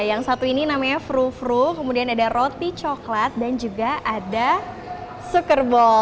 yang satu ini namanya frou frou kemudian ada roti coklat dan juga ada sukerbol